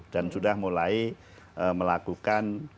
dan sudah mulai melakukan